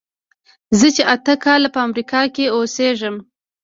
زه چې اته کاله په امریکا کې اوسېږم.